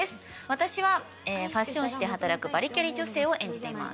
私はファッション誌で働くバリキャリ女性を演じています。